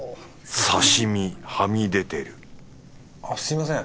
刺身はみ出てるすみません。